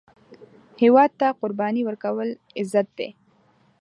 هیواد ته قرباني ورکول، عزت دی